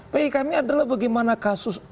p kami adalah bagaimana kasus